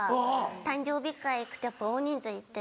誕生日会行くとやっぱ大人数いて。